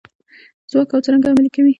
څوک او څرنګه عملي کوي؟